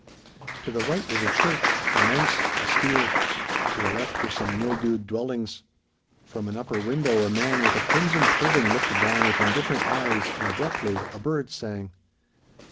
To the right was a church, immense, austere; to the left were some mildewed dwellings; from an upper window a man with a crimson turban looked down with indifferent eyes and abruptly a bird sang.